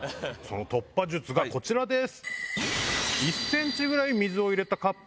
突破術がこちらです。